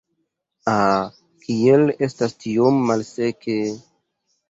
Ah, kiel estas tiom malseke!